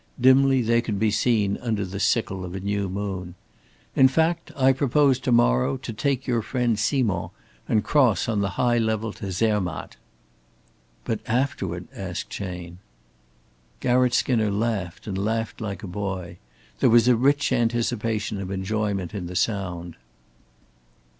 Dimly they could be seen under the sickle of a new moon. "In fact, I propose to morrow to take your friend Simond and cross on the high level to Zermatt." "But afterward?" asked Chayne. Garratt Skinner laughed and laughed like a boy. There was a rich anticipation of enjoyment in the sound.